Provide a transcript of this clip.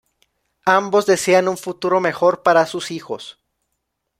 Ambos desean un futuro mejor para sus hijos.